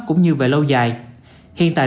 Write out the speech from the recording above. cũng như về lâu dài hiện tại